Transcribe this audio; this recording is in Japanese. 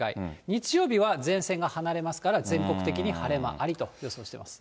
日曜日は前線が離れますから、全国的に晴れ間ありと予想しています。